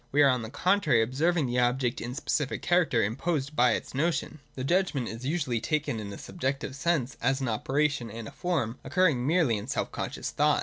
We are, on the contrary, observing the object in the specific character imposed by its notion. 167 .J The Judgment is usually taken in a subjective sense as an operation and a form, occurring merely in self conscious thought.